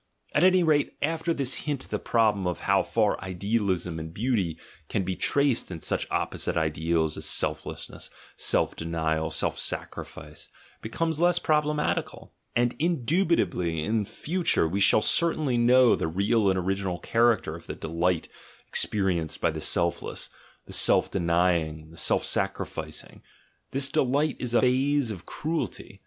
At any rate, after this hint the problem of how far idealism and beauty can be traced in such opposite ideas as "selflessness," self denial, self sacrifice, becomes less problematical; and indubitably in future we shall certainly know the real and original char acter of the delight experienced by the self less, the self denying, the self sacrificing: this delight is a phase of cruelty.